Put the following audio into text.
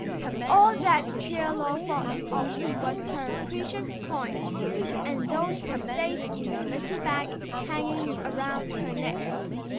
All that Chie Lo thought of was her precious coins, and those were safe in the little bag hanging around her neck.